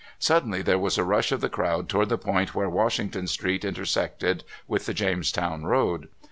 Suddenly there was a rush of the crowd toward the point where Washington Street intersected with the Jamestown road.